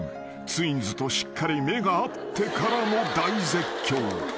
［ツインズとしっかり目が合ってからの大絶叫］